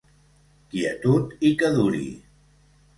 Quietud i que duri!